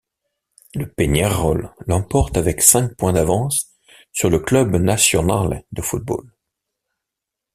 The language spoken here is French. Le Peñarol l’emporte avec cinq points d’avance sur le Club Nacional de Football.